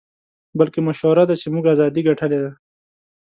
بلکې مشهوره ده چې موږ ازادۍ ګټلې دي.